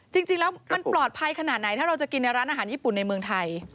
จริงแล้วมันปลอดภัยขนาดไหนถ้าเราจะกินในร้านอาหารญี่ปุ่นในเมืองไทย